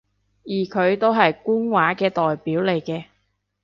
而佢都係官話嘅代表嚟嘅